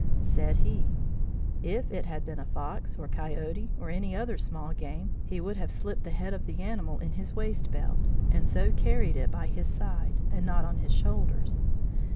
Said he: 'If it had been a fox, or coyote or any other small game he would have slipped the head of the animal in his waist belt, and so carried it by his side, and not on his shoulders.